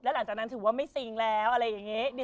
หลังจากนั้นถือว่าไม่ซิงแล้วอะไรอย่างนี้